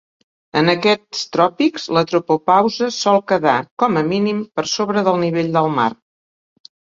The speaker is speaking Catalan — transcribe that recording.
En aquests tròpics, la tropopausa sol quedar, com a mínim, per sobre del nivell del mar.